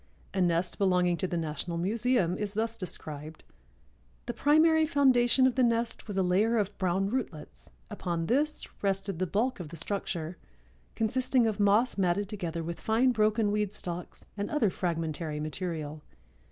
A nest belonging to the National Museum is thus described: "The primary foundation of the nest was a layer of brown rootlets; upon this rested the bulk of the structure, consisting of moss matted together with fine broken weed stalks and other fragmentary material.